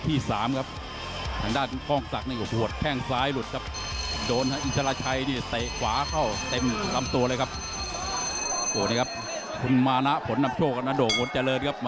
หมดเจริญครับมาเชียร์ขอบสนามครับ